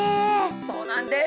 そうなんです。